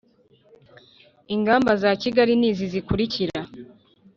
Ingamba za Kigali ni izi zikurikira